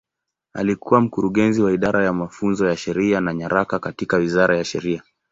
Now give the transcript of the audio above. Alikuwa Mkurugenzi wa Idara ya Mafunzo ya Sheria na Nyaraka katika Wizara ya Sheria.